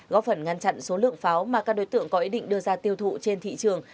góp phần ngăn chặn số lượng pháo mà các đối tượng có ý định đưa ra tiêu thụ trên thị trường